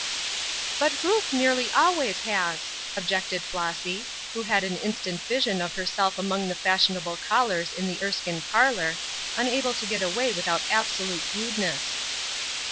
"But Ruth nearly always has," objected Flossy, who had an instant vision of herself among the fashionable callers in the Erskine parlor, unable to get away without absolute rudeness.